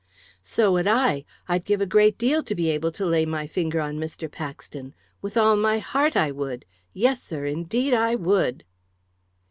"So would I. I'd give a great deal to be able to lay my finger on Mr. Paxton. With all my heart I would. Yes, sir, indeed I would."